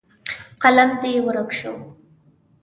قلم دې ورک شو.